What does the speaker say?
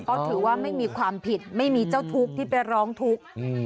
เขาถือว่าไม่มีความผิดไม่มีเจ้าทุกข์ที่ไปร้องทุกข์